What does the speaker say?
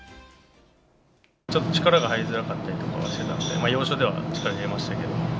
ちょっと力が入りづらかったりとかはしてたんで、要所では力を入れましたけど。